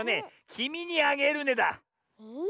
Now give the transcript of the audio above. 「きみにあげるね」だ。え？